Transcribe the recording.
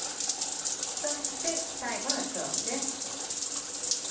そして最後の調味です。